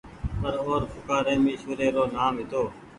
پر اور پوڪآريم ايشوري رو نآم هيتو۔